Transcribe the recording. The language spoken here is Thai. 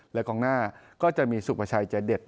และกองหน้าก็จะมีสุภาชัยใจเด็ด